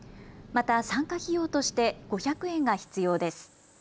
また参加費用として５００円が必要です。